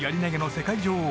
世界女王